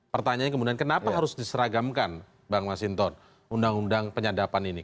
pertanyaannya kemudian kenapa harus diseragamkan bang masinton undang undang penyadapan ini